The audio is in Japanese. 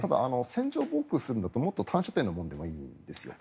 戦場防空するんだったらもっと短射程のものでもいいんですよ。